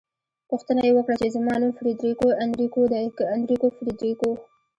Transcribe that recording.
پوښتنه يې وکړه چې زما نوم فریدریکو انریکو دی که انریکو فریدریکو؟